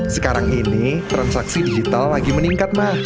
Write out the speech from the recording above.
sekarang ini transaksi digital lagi meningkat mah